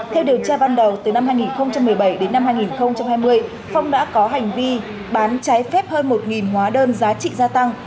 theo điều tra ban đầu từ năm hai nghìn một mươi bảy đến năm hai nghìn hai mươi phong đã có hành vi bán trái phép hơn một hóa đơn giá trị gia tăng